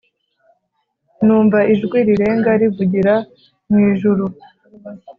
Numva ijwi rirenga rivugira mu ijuru